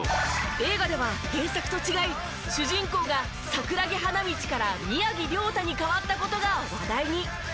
映画では原作と違い主人公が桜木花道から宮城リョータに変わった事が話題に。